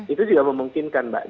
itu juga memungkinkan